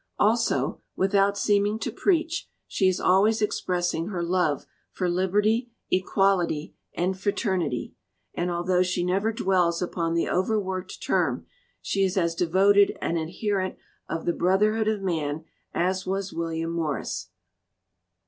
Also, without seeming to preach, she is always expressing her love for Liberty, Equality, and Fraternity, and although she never dwells upon the overworked term, she is as devoted an adherent of the brotherhood of man as was William Morris.